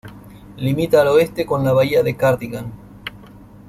Limita al oeste con la Bahía de Cardigan.